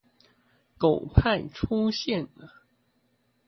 狗派出現了